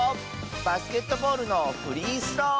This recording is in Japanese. バスケットボールのフリースロー！